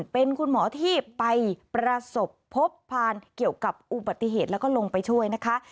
เป็นคุณหมอที่ไปประสบพบพานเกี่ยวกับอุบัติเหตุแล้วก็ลงไปช่วยนะคะ